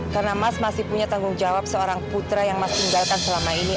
karena mas masih punya tanggung jawab seorang putra yang mas tinggalkan selama ini